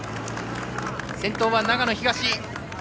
先頭は長野東。